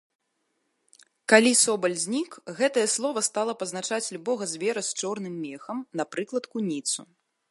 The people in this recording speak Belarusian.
Калі собаль знік, гэтае слова стала пазначаць любога звера з чорным мехам, напрыклад куніцу.